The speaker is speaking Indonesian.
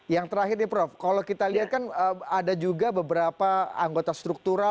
yang terakhir nih prof kalau kita lihat kan ada juga beberapa anggota struktural